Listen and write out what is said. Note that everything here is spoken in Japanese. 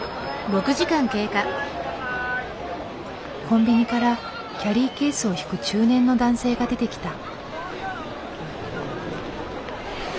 コンビニからキャリーケースを引く中年の男性が出てきた。